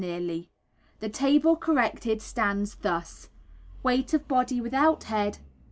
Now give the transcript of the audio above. nearly). The table, corrected, stands thus: Weight of body without head.